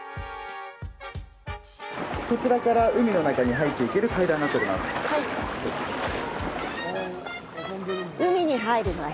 こちらから、海の中に入っていける階段になっております。